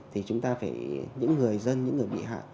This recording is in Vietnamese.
thì chúng ta phải những người dân những người bị hại